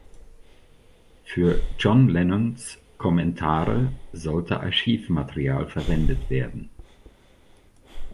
Für John Lennons Kommentare sollte Archivmaterial verwendet werden.